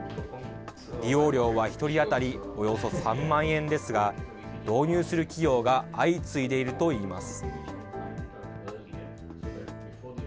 利用料は１人当たりおよそ３万円ですが、導入する企業が相次いでいるといいます。